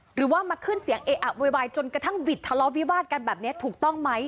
หรือว่ามาขึ้นเสียงเออักหวัยวายจนกระทั่งหวีดทะเลาะวิบาลแบบนี้ถูกต้องมั้ย